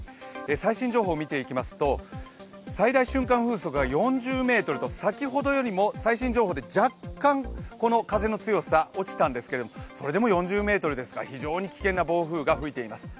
最新情報を見ていきますと、最大瞬間風速が４０メートルと先ほどよりも最新情報で若干、この風の強さが落ちたんですけど、それでも４０メートルですから非常に危険な暴風が吹いています。